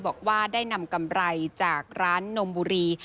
บอกว่าได้นำกำไรจากร้านนมบุรี